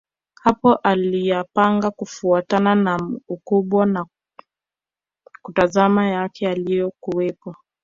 Hapo aliyapanga kufuatana na ukubwa na kutazama yale yaliyokuwepo